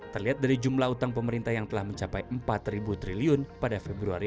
terlihat dari jumlah utang pemerintah yang telah mencapai empat triliun pada februari